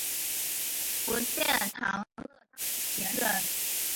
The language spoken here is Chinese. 福建长乐江田人。